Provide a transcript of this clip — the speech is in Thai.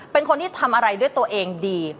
เป็นคนที่ทำอะไรด้วยตัวเองดี